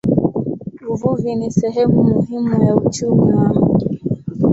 Uvuvi ni sehemu muhimu ya uchumi wa mji.